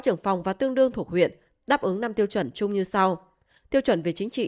trưởng phòng và tương đương thuộc huyện đáp ứng năm tiêu chuẩn chung như sau tiêu chuẩn về chính trị